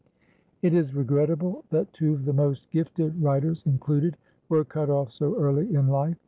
It is regrettable that two of the most gifted writers included were cut off so early in life.